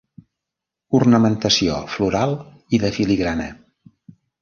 Ornamentació floral i de filigrana.